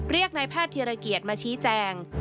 นายแพทย์ธีรเกียจมาชี้แจง